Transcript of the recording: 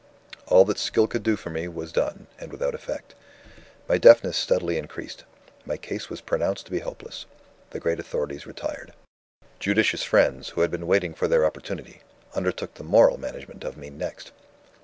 All that skill could do for me was done, and without effect. My deafness steadily increased; my case was pronounced to be hopeless; the great authorities retired. "Judicious friends, who had been waiting for their opportunity, undertook the moral management of me next.